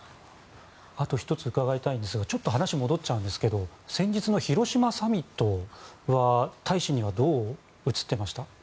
あと１つ伺いたいんですがちょっと話戻っちゃうんですが先日の広島サミットは大使にはどう映っていました？